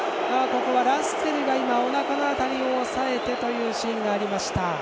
ラッセルがおなかの辺りを押さえてというシーンがありました。